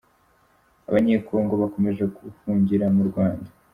Abanyekongo bakomeje guhungira mu Rwanda